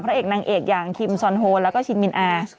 เพราะเอกหนังเอกอย่างครีมซอนโฮแล้วก็ชินมินอา